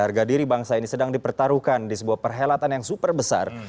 harga diri bangsa ini sedang dipertaruhkan di sebuah perhelatan yang super besar